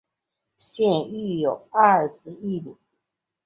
现育有二子一女。